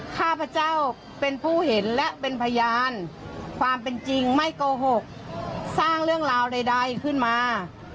ข้าพเจ้าเป็นผู้เห็นและเป็นพยานความเป็นจริงไม่โกหกสร้างเรื่องราวใดขึ้นมา